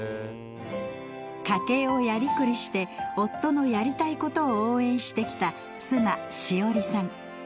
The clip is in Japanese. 家計をやりくりして夫のやりたいことを応援してきた妻紫織さん。